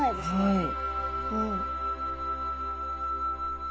はい！